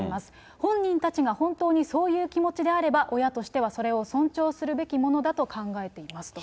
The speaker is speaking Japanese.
本人たちが本当にそういう気持ちであれば、親としてはそれを尊重するべきものだと考えていますと。